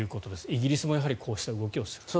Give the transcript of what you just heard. イギリスもやはりこうした動きをする。